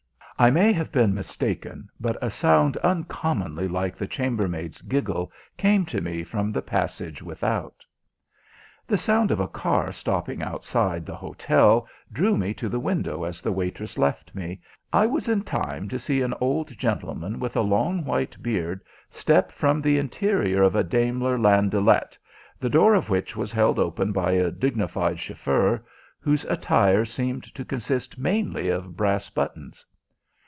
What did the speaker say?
I may have been mistaken, but a sound uncommonly like the chambermaid's giggle came to me from the passage without. The sound of a car stopping outside the hotel drew me to the window as the waitress left me, and I was in time to see an old gentleman with a long white beard step from the interior of a Daimler landaulette, the door of which was held open by a dignified chauffeur, whose attire seemed to consist mainly of brass buttons.